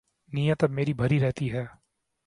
نیت اب میری بھری رہتی ہے